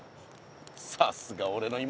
さすがおれの妹。